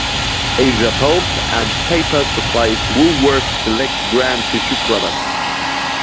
Asia Pulp and Paper supplies Woolworths' "Select Brand" tissue products.